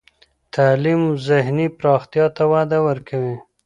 تعلیم و ذهني پراختیا ته وده ورکوي.